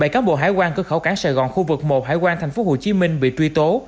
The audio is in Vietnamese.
bảy cán bộ hải quan cửa khẩu cảng sài gòn khu vực một hải quan tp hcm bị truy tố